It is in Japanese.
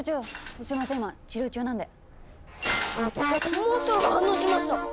モンストロが反応しました！